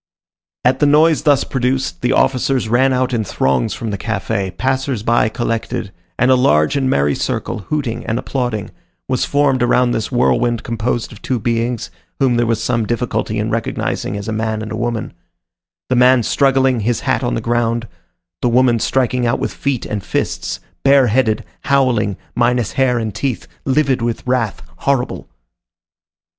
At the noise thus produced, the officers ran out in throngs from the café, passers by collected, and a large and merry circle, hooting and applauding, was formed around this whirlwind composed of two beings, whom there was some difficulty in recognizing as a man and a woman: the man struggling, his hat on the ground; the woman striking out with feet and fists, bareheaded, howling, minus hair and teeth, livid with wrath, horrible.